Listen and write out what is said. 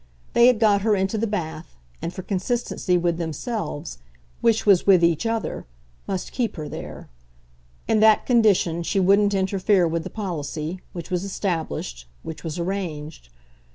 They had got her into the bath and, for consistency with themselves which was with each other must keep her there. In that condition she wouldn't interfere with the policy, which was established, which was arranged.